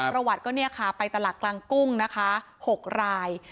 ประวัติก็เนี่ยค่ะไปตลาดกลางกุ้งนะคะ๖ราย